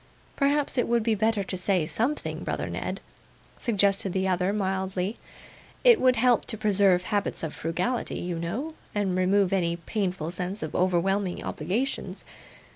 'Perhaps it would be better to say something, brother Ned,' suggested the other, mildly; 'it would help to preserve habits of frugality, you know, and remove any painful sense of overwhelming obligations.